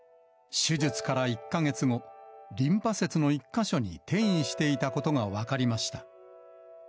手術から１か月後、リンパ節の１か所に転移していたことが分かりました。